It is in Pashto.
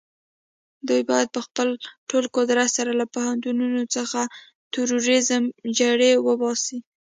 دوی بايد په خپل ټول قوت سره له پوهنتونونو څخه د تروريزم جرړې وباسي.